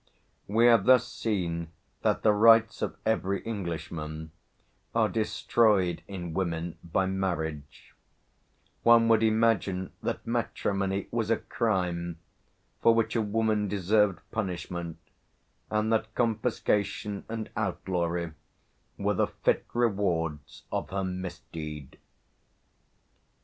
We have thus seen that the "rights of every Englishman" are destroyed in women by marriage; one would imagine that matrimony was a crime for which a woman deserved punishment, and that confiscation and outlawry were the fit rewards of her misdeed.